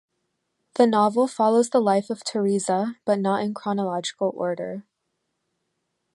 The novel follows the life of Tereza, but not in chronological order.